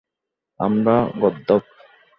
আমরা, গর্দভ।